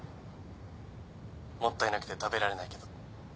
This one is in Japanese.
もったいなくて食べられないけど。